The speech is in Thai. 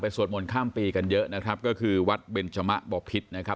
สวดมนต์ข้ามปีกันเยอะนะครับก็คือวัดเบนจมะบ่อพิษนะครับ